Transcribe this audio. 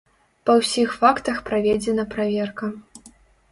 Па ўсіх фактах праведзена праверка.